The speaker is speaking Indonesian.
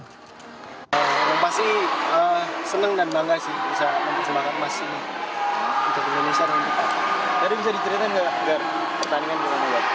memang pasti senang dan bangga sih bisa menuntut semangat emas ini untuk indonesia dan untuk tni